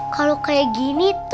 kalau kayak gini tuh